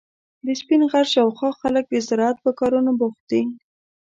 د سپین غر شاوخوا خلک د زراعت په کارونو بوخت دي.